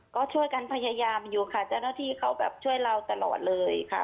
ก็ช่วยกันพยายามอยู่ค่ะเจ้าหน้าที่เขาแบบช่วยเราตลอดเลยค่ะ